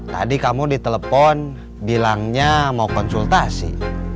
tadi kamu ditelepon bilangnya mau konsultasi